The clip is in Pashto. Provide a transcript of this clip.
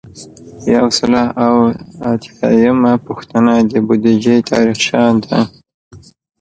یو سل او اتیایمه پوښتنه د بودیجې تاریخچه ده.